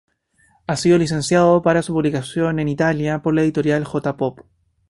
Ha sido licenciado para su publicación en Italia por la editorial J-Pop.